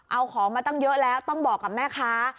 เอาของมาตั้งเยอะแล้วต้องบอกกับแม่ค้า